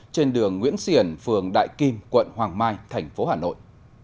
trên đường nguyễn xiển phường đại kim quận hoàng mai thành phố hà nội